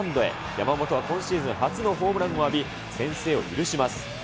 山本は今シーズン初のホームランを浴び、先制を許します。